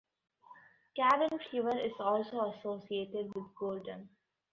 Cabin fever is also associated with boredom.